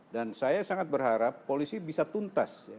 dan saya sangat berharap polisi bisa tuntas ya